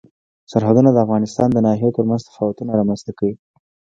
سرحدونه د افغانستان د ناحیو ترمنځ تفاوتونه رامنځ ته کوي.